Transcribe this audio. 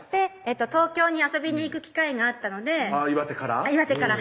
東京に遊びに行く機会があったので岩手から？